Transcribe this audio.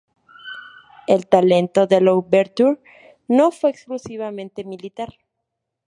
El talento de Louverture no fue exclusivamente militar.